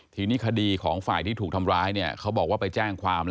ทีนี้คดีของฝ่ายที่ถูกทำร้ายเนี่ยเขาบอกว่าไปแจ้งความ